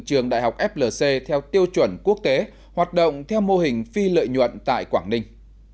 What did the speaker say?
trường đại học flc theo tiêu chuẩn quốc tế hoạt động theo mô hình phi lợi nhuận tại quảng ninh